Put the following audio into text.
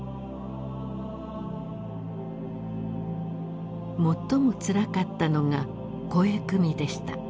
最もつらかったのが肥汲みでした。